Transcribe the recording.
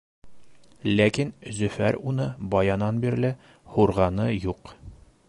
Ләкин Зөфәр уны баянан бирле һурғаны юҡ.